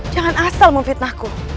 jangan asal memfitnahku